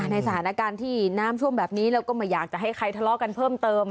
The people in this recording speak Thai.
ในสถานการณ์ที่น้ำท่วมแบบนี้แล้วก็ไม่อยากจะให้ใครทะเลาะกันเพิ่มเติม